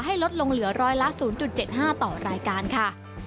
ลดลงเหลือร้อยละ๐๗๕ต่อรายการค่ะ